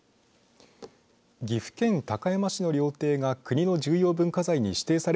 岐阜県高山市の料亭が国の重要文化財に指定さ